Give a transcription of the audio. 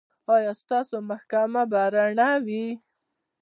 ایا ستاسو محکمه به رڼه وي؟